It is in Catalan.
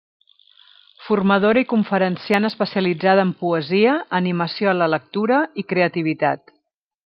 Formadora i conferenciant especialitzada en poesia, animació a la lectura i creativitat.